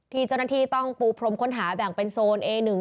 พยานคนนี้ต้องปรุงพรมค้นหาแบ่งเป็นโซน